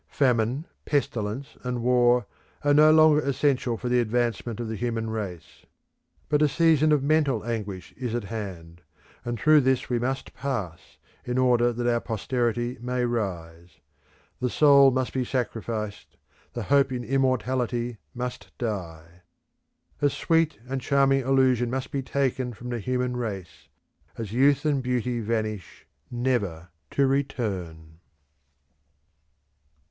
Famine, pestilence, and war are no longer essential for the advancement of the human race. But a season of mental anguish is at hand, and through this we must pass in order that our posterity may rise. The soul must be sacrificed; the hope in immortality must die. A sweet and charming illusion must be taken from the human race, as youth and beauty vanish never to return.